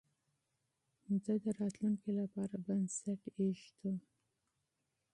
ده د راتلونکي لپاره بنسټ ايښود.